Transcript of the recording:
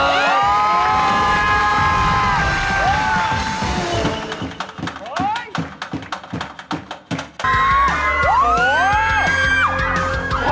โอ้โห